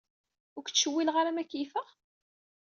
Ur k-ttcewwileɣ ara ma keyyfeɣ?